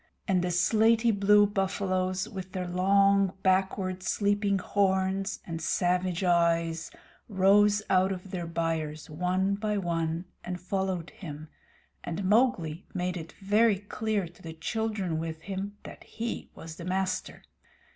The slaty blue buffaloes, with their long, backward sweeping horns and savage eyes, rose out their byres, one by one, and followed him, and Mowgli made it very clear to the children with him that he was the master.